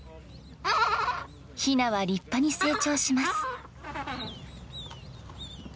ひなは立派に成長します。